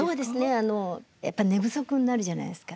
あのやっぱ寝不足になるじゃないですか。